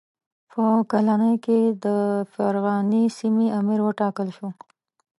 په کلنۍ کې د فرغانې سیمې امیر وټاکل شو.